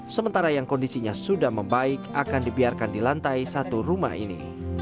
sementara yang kondisinya sudah membaik akan dibiarkan di lantai satu rumah ini